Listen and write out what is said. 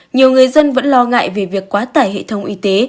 nhiều người dân vẫn lo ngại về việc quá tải hệ thống y tế